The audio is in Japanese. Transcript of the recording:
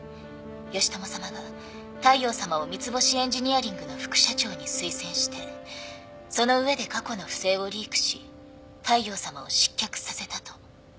義知さまが大陽さまを三ツ星エンジニアリングの副社長に推薦してその上で過去の不正をリークし大陽さまを失脚させたと。